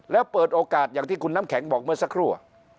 แล้วเปิดโอกาสอย่างที่คุณน้ำแข็งบอกเมื่อสักครู่